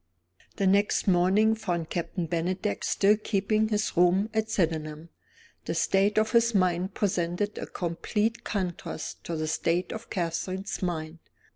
The next morning found Captain Bennydeck still keeping his rooms at Sydenham. The state of his mind presented a complete contrast to the state of Catherine's mind.